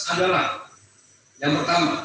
adalah yang pertama